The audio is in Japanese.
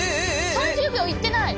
３０秒いってない！